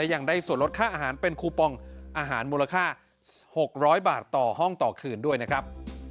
ยังได้ส่วนลดค่าอาหารเป็นคูปองอาหารมูลค่า๖๐๐บาทต่อห้องต่อคืนด้วยนะครับ